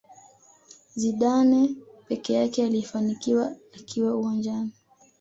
Zidane peke yake aliyefanikiwa akiwa uwanjani